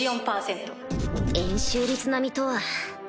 円周率並みとは